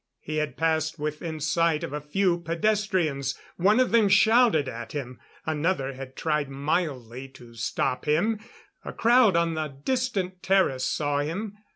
He had passed within sight of a few pedestrians. One of them shouted at him; another had tried mildly to stop him. A crowd on a distant terrace saw him.